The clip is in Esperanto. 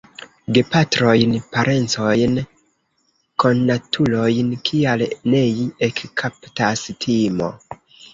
Gepatrojn, parencojn, konatulojn, kial nei ekkaptas timo.